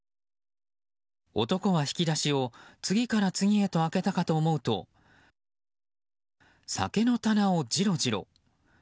男は引き出しを次から次へと明けたかと思うと酒の棚をじろじろ。